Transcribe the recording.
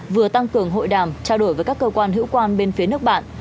vừa tăng cường hội đàm trao đổi với các cơ quan hữu quan bên phía nước bạn